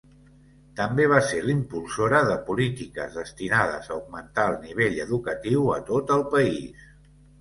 També va se l'impulsora de polítiques destinades a augmentar el nivell educatiu a tot el país.